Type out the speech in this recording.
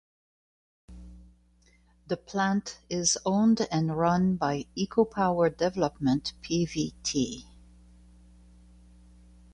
The plant is owned and run by Eco Power Development Pvt.